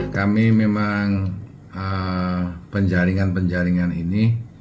kami memang penjaringan penjaringan ini